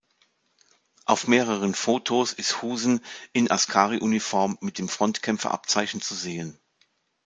Auf mehreren Fotos ist Husen in Askari-Uniform mit dem Frontkämpfer-Abzeichen zu sehen.